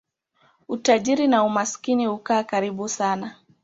Utajiri na umaskini hukaa karibu sana.